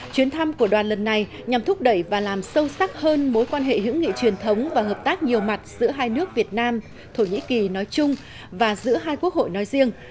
chuyến thăm của đoàn lần này nhằm thúc đẩy và làm sâu sắc hơn mối quan hệ hữu nghị truyền thống và hợp tác nhiều mặt giữa hai nước việt nam thổ nhĩ kỳ nói chung và giữa hai quốc hội nói riêng